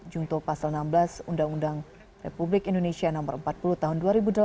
jungto pasal enam belas undang undang republik indonesia nomor empat puluh tahun dua ribu delapan